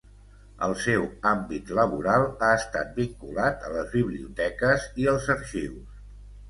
El seu àmbit laboral ha estat vinculat a les biblioteques i els arxius.